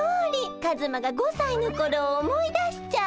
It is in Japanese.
カズマが５さいのころを思い出しちゃう。